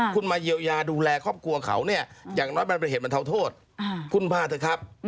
คุณมาเยียวยาดูแลครอบครัวเขาเนี่ยอย่างน้อยมันเป็นเหตุบรรเทาโทษคุณพาเถอะครับ